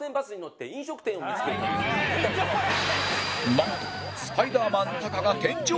なんとスパイダーマンタカが天井に！